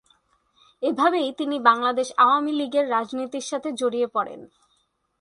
এভাবেই তিনি বাংলাদেশ আওয়ামী লীগের রাজনীতির সাথে জড়িয়ে পড়েন।